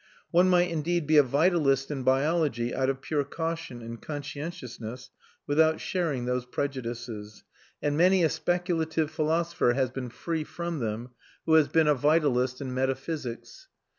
One might indeed be a vitalist in biology, out of pure caution and conscientiousness, without sharing those prejudices; and many a speculative philosopher has been free from them who has been a vitalist in metaphysics.